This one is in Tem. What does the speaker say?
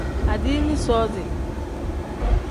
Adiini soozi.